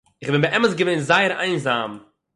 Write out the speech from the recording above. איך בין באמת געווען זייער איינזאַם